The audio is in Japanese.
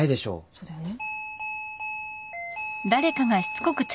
そうだよね。